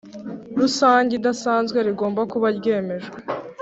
Rusange Idasanzwe rigomba kuba ryemejwe